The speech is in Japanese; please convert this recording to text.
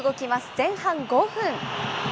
前半５分。